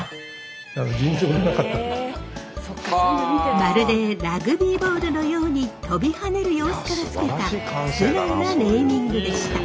まるでラグビーボールのように跳びはねる様子から付けた素直なネーミングでした。